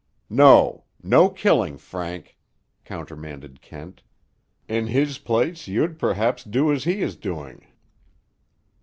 "No, no killing, Frank," countermanded Kent. "In his place, you'd perhaps do as he is doing."